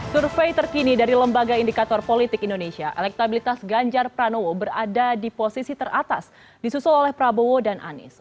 survei terkini dari lembaga indikator politik indonesia elektabilitas ganjar pranowo berada di posisi teratas disusul oleh prabowo dan anies